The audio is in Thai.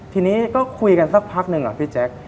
ทีนี้ก็คุยกันสักพักหนึ่งพี่แจ๊ค